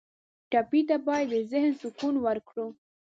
ټپي ته باید د ذهن سکون ورکړو.